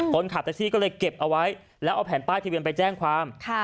คนขับแท็กซี่ก็เลยเก็บเอาไว้แล้วเอาแผ่นป้ายทะเบียนไปแจ้งความ